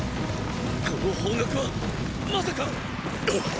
この方角はまさか⁉ゴホッ！